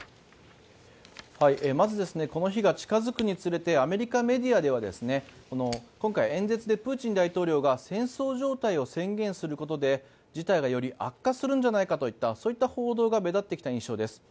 まずこの日が近づくにつれてアメリカメディアでは今回、演説でプーチン大統領が戦争状態を宣言することで事態がより悪化するんじゃないかといったそういった報道が目立ってきた印象です。